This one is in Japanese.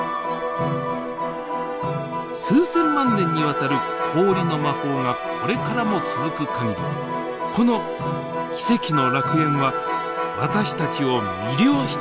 数千万年にわたる氷の魔法がこれからも続く限りこの奇跡の楽園は私たちを魅了し続ける事でしょう。